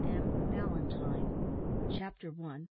M. BALLANTYNE. CHAPTER ONE.